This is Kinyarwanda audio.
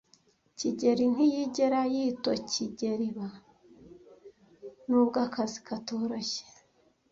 kigeli ntiyigera yitokigeliba, nubwo akazi katoroshye.